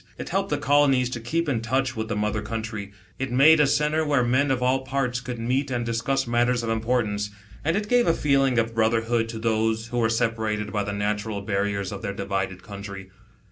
It helped the colonies to keep in touch with the mother country. It made a centre where of all parts could meet and discuss matters of THE SPAKTANS. 81 t importance, and it gave a feeling of brotherhood to those, who were separated by the natural barriers of their divided country.